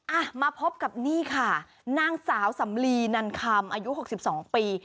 อ่ะมาพบกับนี่ค่ะนางสาวสำลีนันคำอายุหกสิบสองปี